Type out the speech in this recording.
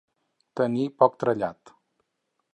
Tenir poc trellat.